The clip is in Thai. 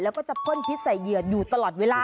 แล้วก็จะพ่นพิษใส่เหยื่ออยู่ตลอดเวลา